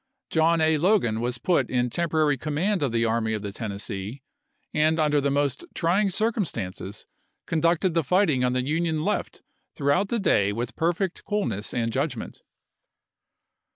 John A. Logan was put in temporary command of the Army of the Tennessee, and under the most trying circumstances conducted the fighting on the Union left throughout the day with perfect coolness and judgment.